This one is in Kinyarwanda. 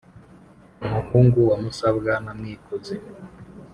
muhungu wa musabwa na mwikozi